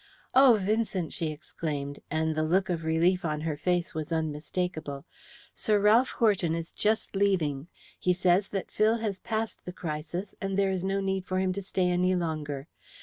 "Oh, Vincent!" she exclaimed, and the look of relief on her face was unmistakable. "Sir Ralph Horton is just leaving. He says that Phil has passed the crisis, and there is no need for him to stay any longer.